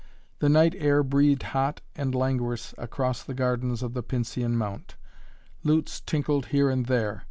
The night air breathed hot and languorous across the gardens of the Pincian Mount. Lutes tinkled here and there.